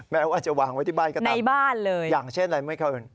แม้ว่าจะวางไว้ที่บ้านก็ตามอย่างเช่นอะไรไม่เคยเห็น